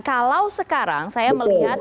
kalau sekarang saya melihat